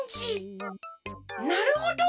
なるほど！